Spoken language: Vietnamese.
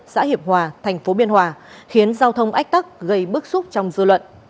xã hiệp hòa thành phố biên hòa khiến giao thông ách tắc gây bức xúc trong dư luận